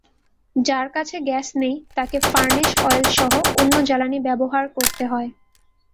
যার কাছে গ্যাস নেই, তাকে ফার্নেস অয়েলসহ অন্য জ্বালানি ব্যবহার করতে হয়।